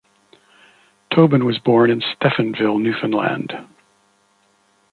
Tobin was born in Stephenville, Newfoundland.